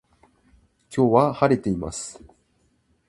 今日は晴れています